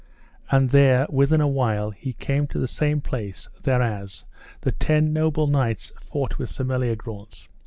And then within a while he came to the same place thereas the ten noble knights fought with Sir Meliagrance.